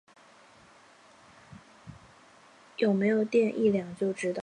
有没有电一量就知道